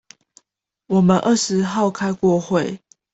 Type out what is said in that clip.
我們二十號開過會